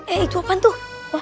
eh itu apaan tuh